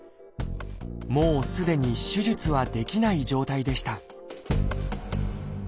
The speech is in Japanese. もうすでに手術はできない状態でした